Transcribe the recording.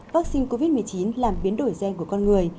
vaccine covid một mươi chín làm biến đổi gen của con người